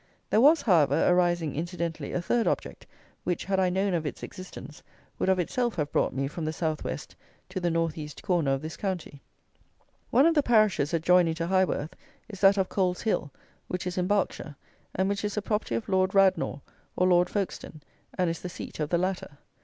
There was, however, arising incidentally a third object, which, had I known of its existence, would of itself have brought me from the south west to the north east corner of this county. One of the parishes adjoining to Highworth is that of Coleshill, which is in Berkshire, and which is the property of Lord Radnor, or Lord Folkestone, and is the seat of the latter.